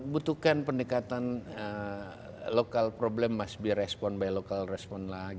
butuhkan pendekatan lokal problem mas be respon by local respon lagi